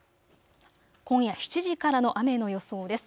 今夜７時からの雨の予想です。